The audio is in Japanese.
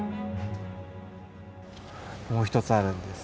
もう１つあるんです。